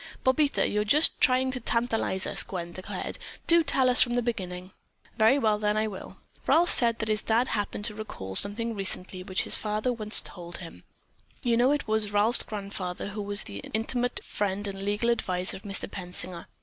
"Bobita, you're just trying to tantalize us," Gwen declared. "Do tell us from the beginning." "Very well then, I will. Ralph said that his dad happened to recall recently something which his father had once told him. You know it was Ralph's grandfather who was the intimate friend and legal advisor of Mr. Pensinger.